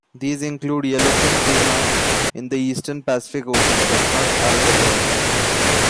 These include yellowfin tuna in the eastern Pacific Ocean, but not albacore.